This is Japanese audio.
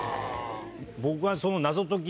僕は。